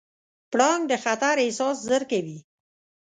پړانګ د خطر احساس ژر کوي.